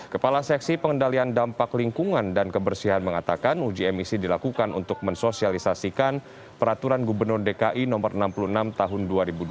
kepala seksi pengendalian dampak lingkungan dan kebersihan mengatakan uji emisi dilakukan untuk mensosialisasikan peraturan gubernur dki no enam puluh enam tahun dua ribu dua puluh